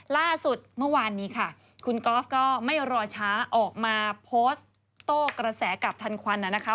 ล่าสุดเมื่อวานนี้ค่ะคุณกอล์ฟก็ไม่รอช้าออกมาโพสต์โต้กระแสกับทันควันนะคะ